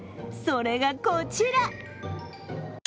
それがこちら。